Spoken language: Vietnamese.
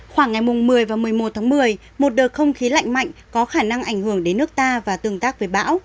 khoảng ngày một mươi và một mươi một tháng một mươi một đợt không khí lạnh mạnh có khả năng ảnh hưởng đến nước ta và tương tác với bão